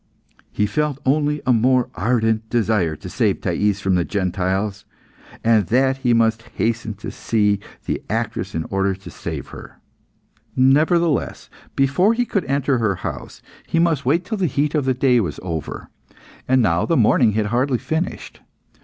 He felt only a more ardent desire to save Thais from the Gentiles, and that he must hasten to see the actress in order to save her. Nevertheless, before he could enter her house, he must wait till the heat of the day was over, and now the morning had hardly finished.